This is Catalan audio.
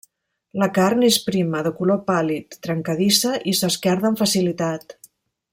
La carn és prima, de color pàl·lid, trencadissa i s'esquerda amb facilitat.